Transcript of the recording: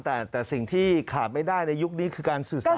แต่สิ่งที่ขาดไม่ได้ในยุคนี้คือการสื่อสาร